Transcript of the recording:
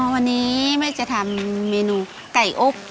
วันนี้แม่จะทำเมนูไก่อบ